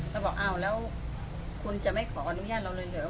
แล้วบอกอ้าวแล้วคุณจะไม่ขออนุญาตเราเลยเหรอ